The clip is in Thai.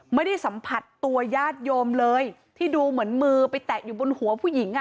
ไม่ได้สัมผัสตัวญาติโยมเลยที่ดูเหมือนมือไปแตะอยู่บนหัวผู้หญิงอ่ะ